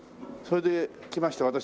それで来ました